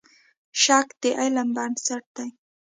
شک د علم بنسټ دی.